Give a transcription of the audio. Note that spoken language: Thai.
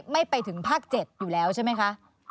ไม่ไปถึงภาค๗อยู่แล้วใช่ไหมคะ